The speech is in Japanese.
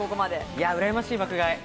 うらやましい爆買い。